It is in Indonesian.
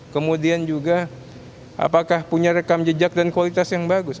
kemudian juga apakah punya rekam jejak dan kualitas yang bagus